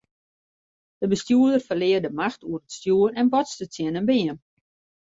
De bestjoerder ferlear de macht oer it stjoer en botste tsjin in beam.